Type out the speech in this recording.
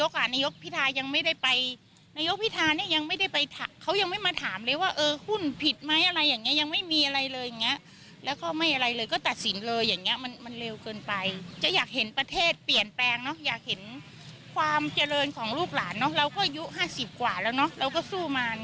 ความเจริญของลูกหลานเราก็อายุ๕๐กว่าแล้วเราก็สู้มา